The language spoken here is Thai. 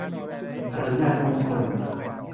หรืองานมงคล